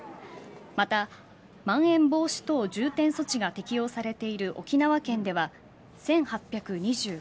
また、まん延防止等重点措置が適用されている沖縄県では１８２９人